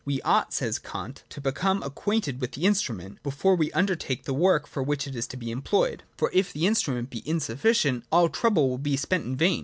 We ought, says Kant, to become acquainted with the instrument, before we undertake the work for which it is to be employed ; for if the instrument be insufficient, all our trouble will be spent in vain.